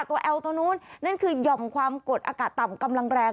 แอลตัวนู้นนั่นคือหย่อมความกดอากาศต่ำกำลังแรง